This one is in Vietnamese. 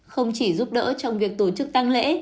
không chỉ giúp đỡ trong việc tổ chức tăng lễ